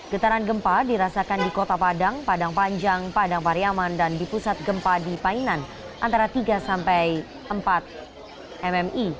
getaran gempa dirasakan di kota padang padang panjang padang pariaman dan di pusat gempa di painan antara tiga sampai empat mmi